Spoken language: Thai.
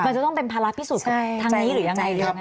มันจะต้องเป็นภาระพิสูจน์ทางนี้หรือยังไง